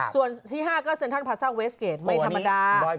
ส่วนที่๕ก็เซ็นทรัลพาซ่าเวสเกจไม่ธรรมดา